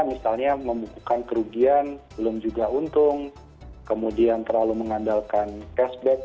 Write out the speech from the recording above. misalnya membukukan kerugian belum juga untung kemudian terlalu mengandalkan cashback